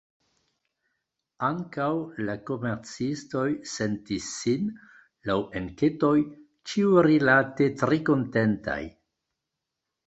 Ankaŭ la komercistoj sentis sin, laŭ enketoj, ĉiurilate tre kontentaj.